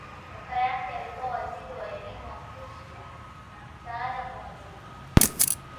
Kaka yake alikuwa waziri wa elimu wa Prussia na mtaalamu wa lugha.